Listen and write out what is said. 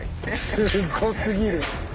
すごすぎる。